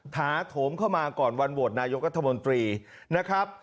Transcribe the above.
ถาโถมเข้ามาก่อนวันโหวตนายกรัฐมนตรีนะครับ